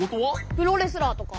プロレスラーとか。